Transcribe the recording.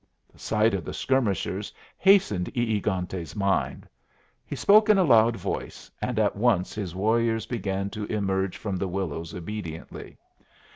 The sight of the skirmishers hastened E egante's mind. He spoke in a loud voice, and at once his warriors began to emerge from the willows obediently.